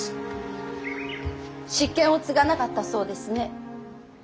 執権を継がなかったそうですね。